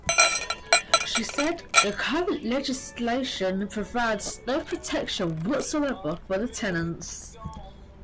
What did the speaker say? She said, The current legislation provides no protection whatsoever for the tenants.